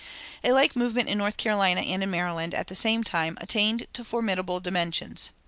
"[274:1] A like movement in North Carolina and in Maryland, at the same time, attained to formidable dimensions.